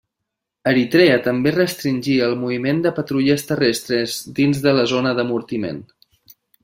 Eritrea també restringia el moviment de patrulles terrestres dins de la zona d'amortiment.